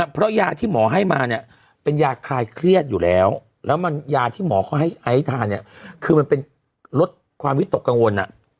เพราะยาที่หมอให้มาเนี่ยเป็นยาคลายเครียดอยู่แล้วแล้วมันยาที่หมอเขาให้ไอซ์ทานเนี่ยคือมันเป็นลดความวิตกกังวล